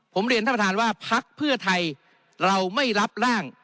ผมเรียนท่านประธานว่าพักเพื่อไทยเราไม่รับร่าง